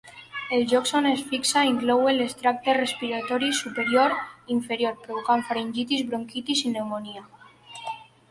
Els llocs on es fixa inclouen les tractes respiratoris superior i inferior, provocant faringitis, bronquitis i pneumònia.